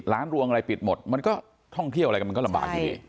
รวงอะไรปิดหมดมันก็ท่องเที่ยวอะไรกันมันก็ลำบากอยู่ดี